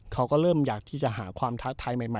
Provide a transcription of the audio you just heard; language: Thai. เขาก็เริ่มอยากที่จะหาความท้าทายใหม่